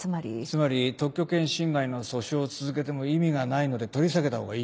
つまり特許権侵害の訴訟を続けても意味がないので取り下げた方がいいと。